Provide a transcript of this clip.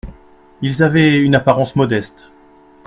Ils avaient une apparence modeste.